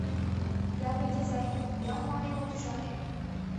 Япык изай, молан мыланем от ӱшане?